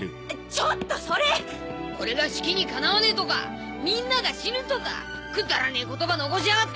ちょっとそれ俺がシキに敵わねえとかみんなが死ぬとかくだらねえ言葉残しやがって！